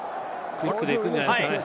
キックでいくんじゃないですかね。